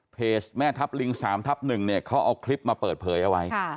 เพจแม่ทับลิง๓ทับ๑เขาเอาคลิปมาเปิดเผยไว้